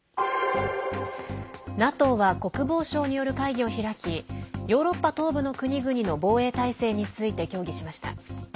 ＮＡＴＯは国防相による会議を開きヨーロッパ東部の国々の防衛態勢について協議しました。